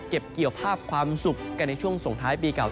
เกี่ยวภาพความสุขกันในช่วงส่งท้ายปีเก่า